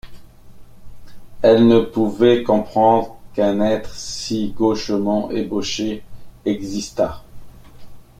Elle ne pouvait comprendre qu’un être si gauchement ébauché existât.